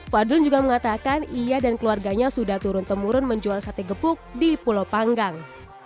fadrun juga mengatakan ia dan keluarganya sudah turun temurun menjual sate gepuk di pulau panggang